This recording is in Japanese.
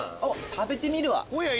食べてみるわ。